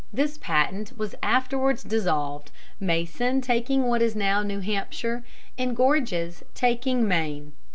This patent was afterwards dissolved, Mason taking what is now New Hampshire, and Gorges taking Maine.